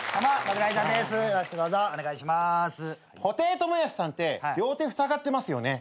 布袋寅泰さんて両手ふさがってますよね。